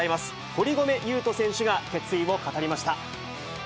堀米雄斗選手が決意を語りました。